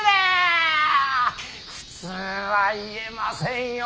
普通は言えませんよ